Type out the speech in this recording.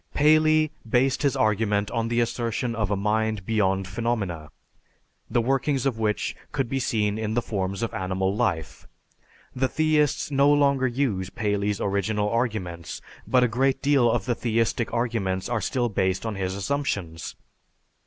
Paley based his argument on the assertion of a mind behind phenomena, the workings of which could be seen in the forms of animal life. The theists no longer use Paley's original arguments, but a great deal of the theistic arguments are still based on his assumptions.